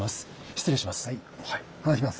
失礼します。